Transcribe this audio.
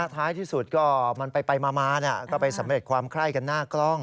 ท้ายที่สุดวันไปสำเร็จความคล้ายกันหน้ากล้อง